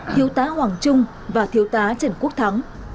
thiếu tá hoàng trung và thiếu tá trần quốc thắng